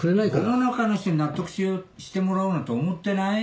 世の中の人に納得してもらおうなんて思ってない。